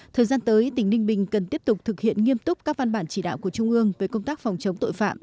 thời gian tới tỉnh ninh bình cần tiếp tục thực hiện nghiêm túc các văn bản chỉ đạo của trung ương về công tác phòng chống tội phạm